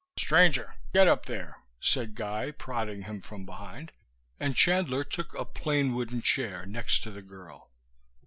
"Stranger, get up there," said Guy, prodding him from behind, and Chandler took a plain wooden chair next to the girl.